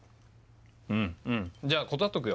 うんうんじゃあ断っとくよ。